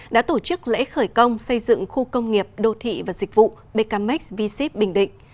đã tổ chức lễ khởi công xây dựng khu công nghiệp đô thị và dịch vụ bkmex v ship bình định